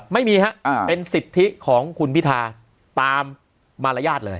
ไม่มีฮะเป็นสิทธิของคุณพิธาตามมารยาทเลย